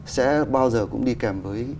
sẽ bao giờ cũng đi kèm với